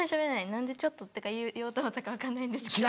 何で「ちょっと」とか言おうと思ったか分かんないんですけど。